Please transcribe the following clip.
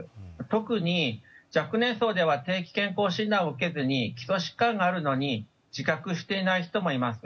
特に、若年層では定期健康診断を受けずに基礎疾患があるのに自覚していない人もいます。